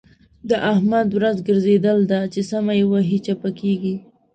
د احمد ورځ ګرځېدل ده؛ چې سمه يې وهي - چپه کېږي.